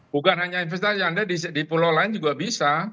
bukan hanya investasi anda di pulau lain juga bisa